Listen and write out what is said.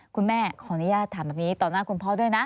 คุณแม่ขออนุญาตถามแบบนี้ต่อหน้าคุณพ่อด้วยนะ